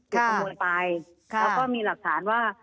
ขโมยไปแล้วก็มีหลักฐานว่า